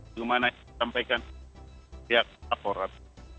yang mana disampaikan pihak aparat